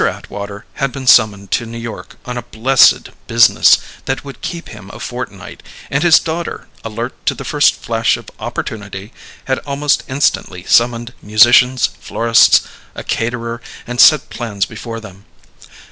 Atwater had been summoned to New York on a blessed business that would keep him a fortnight, and his daughter, alert to the first flash of opportunity, had almost instantly summoned musicians, florists, a caterer, and set plans before them.